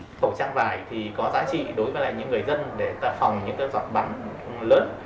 các khẩu trang vải thì có giá trị đối với những người dân để phòng những dọn bắn lớn